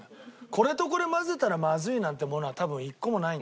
これとこれ混ぜたらまずいなんてものは多分一個もない。